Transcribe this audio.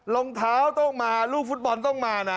รองเท้าต้องมาลูกฟุตบอลต้องมานะ